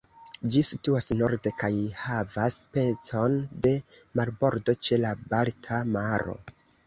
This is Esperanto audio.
Ĝi situas norde kaj havas pecon de marbordo ĉe la Balta maro.